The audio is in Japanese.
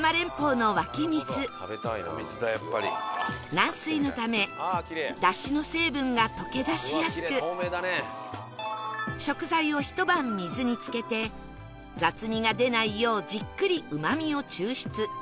軟水のため出汁の成分が溶け出しやすく食材をひと晩水につけて雑味が出ないようじっくりうまみを抽出